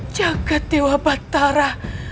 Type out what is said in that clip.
jagad dewa batara